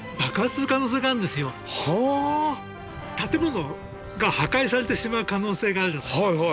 建物が破壊されてしまう可能性があるじゃないですか。